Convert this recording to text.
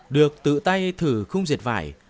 được tự tay thử khung diệt vải